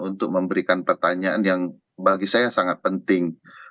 untuk memberikan pertanyaan yang bagi saya sangat penting